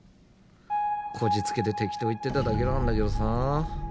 こじつけで適当言ってただけなんだけどさ。